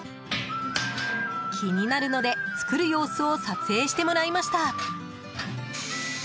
気になるので作る様子を撮影してもらいました。